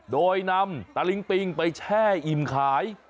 โดยนำตะลิงปิงไปแช่อิ่มขาย